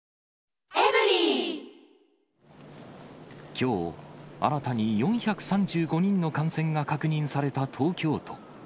きょう、新たに４３５人の感染が確認された東京都。